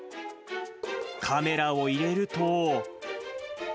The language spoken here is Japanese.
カメラを入れると。